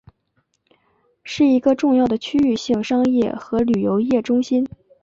是一个重要的区域性商业和旅游业中心。